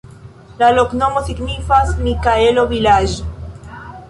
La loknomo signifas: Mikaelo-vilaĝ'.